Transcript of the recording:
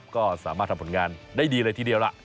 ก็สามารถทำผลงานได้ดีเลยทีเดียวล่ะ